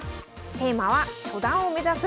テーマは「初段を目指す！